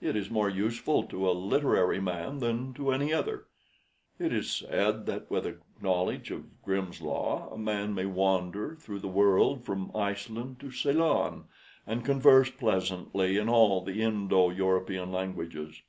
It is more useful to a literary man than to any other. It is said that with a knowledge of Grimm's Law a man may wander through the world from Iceland to Ceylon, and converse pleasantly in all the Indo European languages.